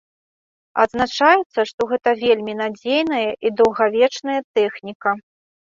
Адзначаецца, што гэта вельмі надзейная і даўгавечная тэхніка.